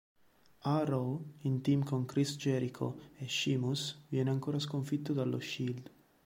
A Raw, in team con Chris Jericho e Sheamus viene ancora sconfitto dallo Shield.